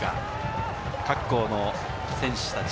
各校の選手たち